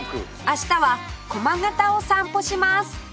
明日は駒形を散歩します